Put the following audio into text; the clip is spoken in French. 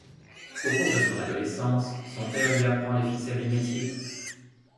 Au cours de son adolescence, son père lui apprend les ficelles du métier.